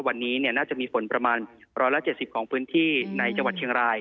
วันนี้น่าจะมีฝนประมาณ๑๗๐ของพื้นที่ในจังหวัดเชียงราย